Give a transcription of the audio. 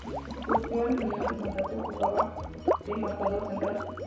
Surgido de Unión de Santa Fe, jugaba de marcador central.